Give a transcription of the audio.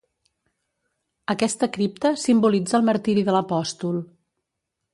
Aquesta cripta simbolitza el martiri de l'apòstol.